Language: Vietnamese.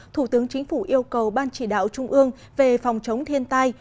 thủ tướng chính phủ yêu cầu ban chỉ đạo trung ương về phòng chống thiên tai